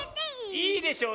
いいでしょう。